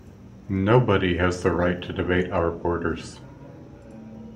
Nobody has the right to debate our borders.